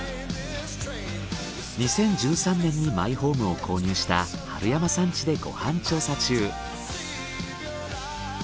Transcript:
２０１３年にマイホームを購入した春山さん家でご飯調査中。